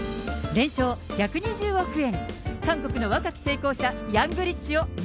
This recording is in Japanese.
年商１２０億円。